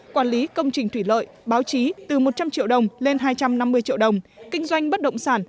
quản lý công trình thủy lợi báo chí từ một trăm linh triệu đồng lên hai trăm năm mươi triệu đồng kinh doanh bất động sản